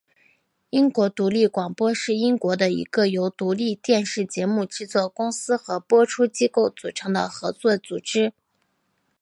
英国独立广播是英国的一个由独立电视节目制作公司和播出机构组成的合作组织。